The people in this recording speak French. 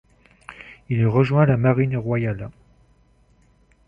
Il rejoint la Marine royale.